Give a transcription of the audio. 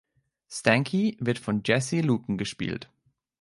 Stanky wird von Jesse Luken gespielt.